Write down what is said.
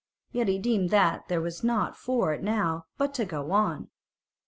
Yet he deemed that there was nought for it now but to go on.